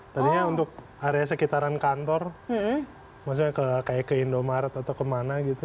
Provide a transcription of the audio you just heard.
tadinya untuk area sekitaran kantor maksudnya kayak ke indomaret atau kemana gitu